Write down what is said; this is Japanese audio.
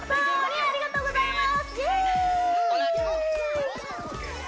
ありがとうございます